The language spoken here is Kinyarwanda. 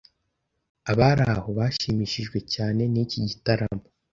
Abari aho bashimishijwe cyane niki gitaramo.